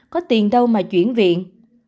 có tiền đâu mà chuyển viện